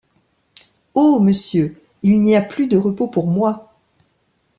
Oh! monsieur, il n’y a plus de repos pour moi !